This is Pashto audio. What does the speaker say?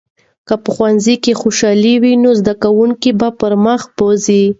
که په ښوونځي کې خوشالي وي، نو زده کوونکي به پرمخ بوځي.